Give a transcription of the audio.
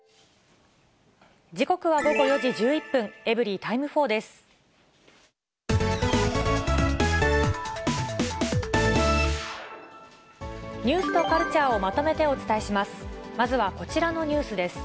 時刻は午後４時１１分、エブリィタイム４です。